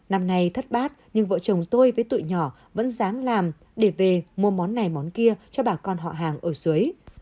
năm nay thất bát nhưng vợ chồng tôi với tuổi nhỏ vẫn dám làm để về mua món này món kia cho bà con họ hàng ở dưới